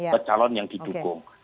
dari calon yang didukung